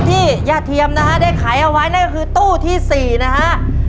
ย่าเทียมนะฮะได้ขายเอาไว้นั่นก็คือตู้ที่๔นะฮะ